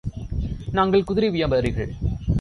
நாங்கள் குதிரை வியாபாரிகள்.